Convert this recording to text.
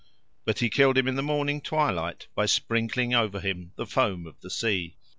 But he killed him in the morning twilight by sprinkling over him the foam of the sea.